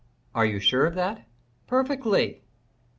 "Are you sure of that?" "Perfectly."